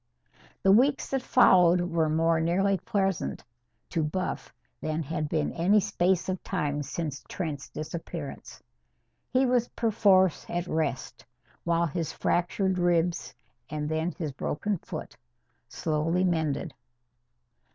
The weeks that followed were more nearly pleasant to Buff than had been any space of time since Trent's disappearance. He was perforce at rest, while his fractured ribs and then his broken foot slowly mended.